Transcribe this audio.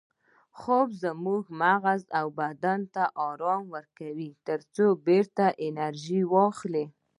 خوب زموږ مغز او بدن ته ارام ورکوي ترڅو بیرته انرژي واخلي